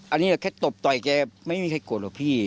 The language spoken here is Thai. อันนี้แค่ตบต่อยแกไม่มีใครโกรธหรอกพี่